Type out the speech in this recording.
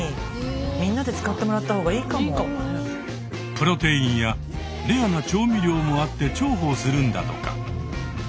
プロテインやレアな調味料もあって重宝するんだとか。